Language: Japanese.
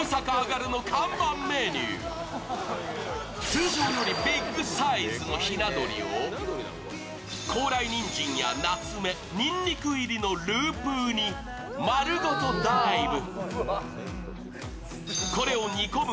通常よりビッグサイズのひな鳥を高麗人参やナツメ、ニンニク入りのループーに丸ごとダイブ。